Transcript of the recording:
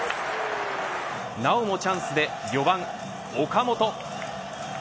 なおもチャンスで、４番岡本。